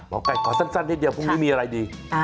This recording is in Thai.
ไก่ขอสั้นนิดเดียวพรุ่งนี้มีอะไรดี